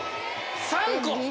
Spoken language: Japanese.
３個！